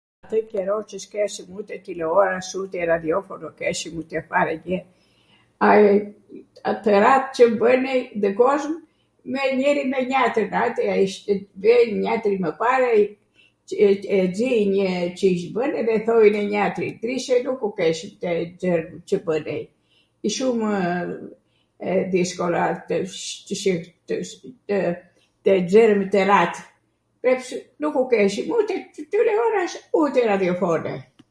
atw qero qw s'keshwm ute tileoras ute radhjofono keshwmw gjw fare gjw, tw rat qw bwnej nw kozm me njwrin me njatrin ateja ishtw njatri mw pare qe e xij njw Cish bwnw edhe thoj ne njatri, ndridhe nuku keshwm nxwrw Cw bwnej, shumw dhiskolla tw nxwrwm tw rat, prepsw nuku keshwm ute tileoras ute radhjofone.